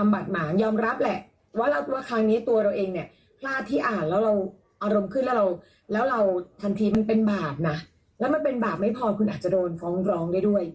อารมณ์ขึ้นแล้วเราแล้วเราทันทีมันเป็นบาปนะแล้วมันเป็นบาปไม่พอคุณอาจจะโดนฟ้องร้องได้ด้วย